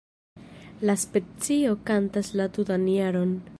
La specio kantas la tutan jaron.